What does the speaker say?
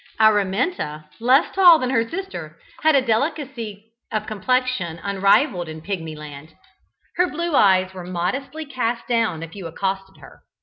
Araminta, less tall than her sister, had a delicacy of complexion unrivalled in Pigmyland; her blue eyes were modestly cast down if you accosted her.